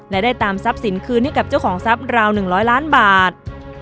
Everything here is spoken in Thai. และได้ตามทรัพย์สินคืนให้กับเจ้าของทรัพย์ราว๑๐๐ล้านบาท